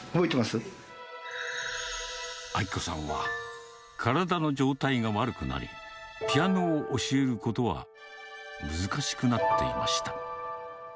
明子さんは、体の状態が悪くなり、ピアノを教えることは難しくなっていました。